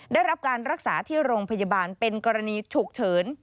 ได้รับการรักษาที่โรงพยาบาลเป็นกรณีฉุกเฉิน